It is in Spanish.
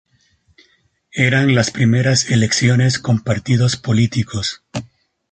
Eran las primeras elecciones con partidos políticos.